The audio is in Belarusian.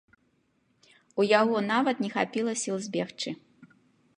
У яго нават не хапіла сіл збегчы.